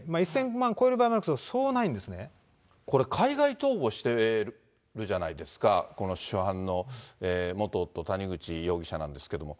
１０００万超えることもあるけど、これ、海外逃亡してるじゃないですか、この主犯の元夫、谷口容疑者なんですけども。